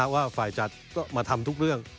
ว่าฝ่ายจัดก็มาทำทุกเรื่อง